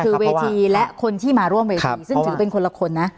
คือเวทีและคนที่มาร่วมเวทีซึ่งถือเป็นคนละคนนะ